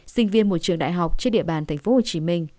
sinh viên một trường đại học trên địa bàn tp hcm